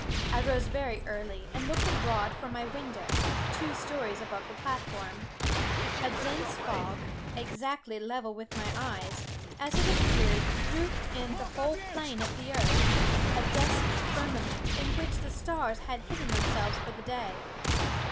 I rose very early, and looked abroad from my window, two stories above the platform. A dense fog, exactly level with my eyes, as it appeared, roofed in the whole plain of the earth—a dusky firmament, in which the stars had hidden themselves for the day.